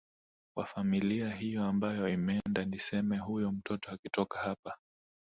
wa familia hiyo ambayo imeenda nisema huyo mtoto akitoka hapa